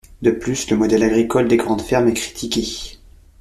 De plus, le modèle agricole des grandes fermes est critiqué.